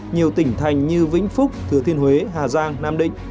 nhiều tỉnh thành như vĩnh phúc thứ thiên huế hà giang nam định